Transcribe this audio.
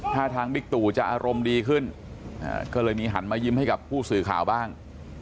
ถ้าทางบิ๊กตู่จะอารมณ์ดีขึ้นก็เลยมีหันมายิ้มให้กับผู้สื่อข่าวบ้าง